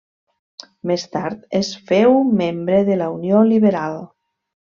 Més tard es féu membre de la Unió Liberal.